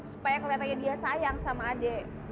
supaya kelihatannya dia sayang sama adik